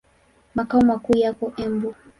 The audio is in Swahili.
Makao makuu yako Embu.